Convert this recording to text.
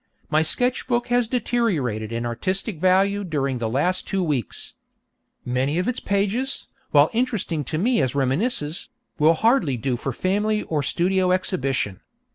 My sketch book has deteriorated in artistic value during the last two weeks. Many of its pages, while interesting to me as reminiscences, will hardly do for family or studio exhibition.